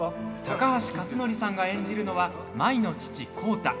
高橋克典さんが演じるのは舞の父、浩太。